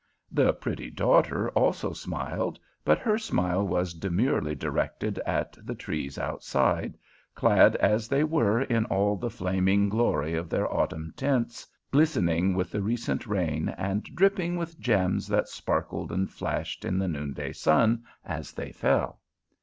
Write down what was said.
The pretty daughter also smiled, but her smile was demurely directed at the trees outside, clad as they were in all the flaming glory of their autumn tints, glistening with the recent rain and dripping with gems that sparkled and flashed in the noonday sun as they fell.